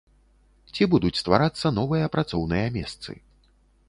Ці будуць стварацца новыя працоўныя месцы?